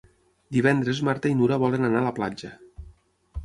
Divendres na Marta i na Nura volen anar a la platja.